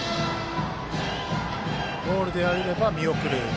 ボールであれば、見送る。